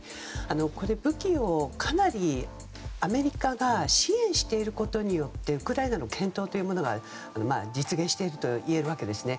武器を、かなりアメリカが支援していることによってウクライナの健闘が実現しているといえるわけですね。